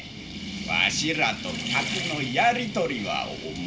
わしらと客のやり取りはおもろいで。